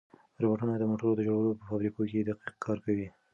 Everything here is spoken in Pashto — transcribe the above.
روبوټونه د موټرو د جوړولو په فابریکو کې دقیق کار کوي.